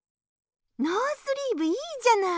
ノースリーブいいじゃない！